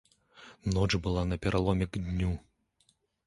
Ноч была на пераломе к дню.